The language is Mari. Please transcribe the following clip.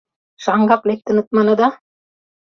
— Шаҥгак лектыныт, маныда?